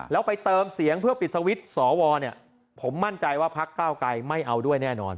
แล้วไปเติมเสียงเพื่อปิดสวิตช์สวเนี่ยผมมั่นใจว่าพักเก้าไกรไม่เอาด้วยแน่นอน